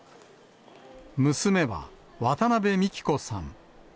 娘は、渡邊美希子さん。